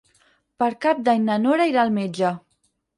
Per Cap d'Any na Nora irà al metge.